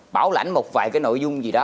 bảo lãnh một vài cái nội dung gì đó